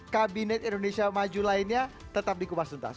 kabinet indonesia maju lainnya tetap di kupas tuntas